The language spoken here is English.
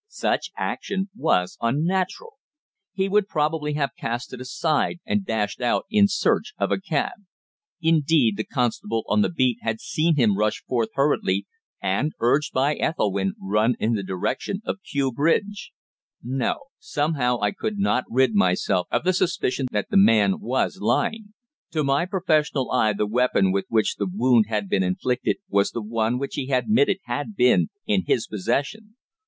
Such action was unnatural. He would probably have cast it aside and dashed out in search of a cab. Indeed, the constable on the beat had seen him rush forth hurriedly and, urged by Ethelwynn, run in the direction of Kew Bridge. No. Somehow I could not rid myself of the suspicion that the man was lying. To my professional eye the weapon with which the wound had been inflicted was the one which he admitted had been in his possession.